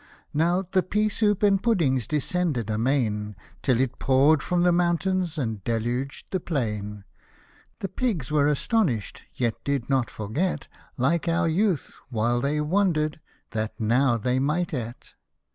Now the pea soup and pudding descended amain, Till it pour'd from the mountains and deluged the plain ; The pigs were astonish'd ; yet did not forget, Like our youth, while they wonder'd, that now they might eat.